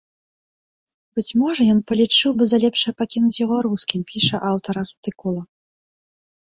Быць можа, ён палічыў бы за лепшае пакінуць яго рускім, піша аўтар артыкула.